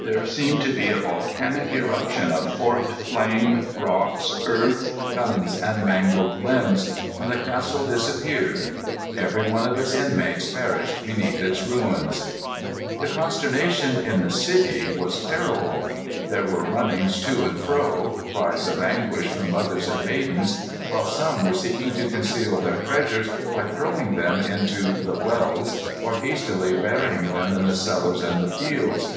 There seemed to be a volcanic eruption of forked flame, rocks, earth, guns, and mangled limbs, and the castle disappeared. Every one of its inmates perished beneath its ruins. The consternation in the city was terrible. There were runnings to and fro, cries of anguish from mothers and maidens, while some were seeking to conceal their treasures by throwing them into the wells or hastily burying them in the cellars and the fields.